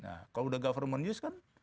nah kalau udah government use kan